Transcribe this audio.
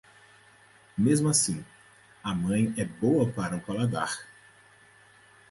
Mesmo assim, a mãe é boa para o paladar.